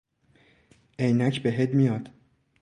عینک بهت میاد